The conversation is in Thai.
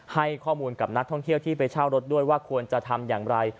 ให้ข้อมูลกับนักท่องเที่ยวที่ไปเช่ารถด้วยว่าควรจะทำอย่างไร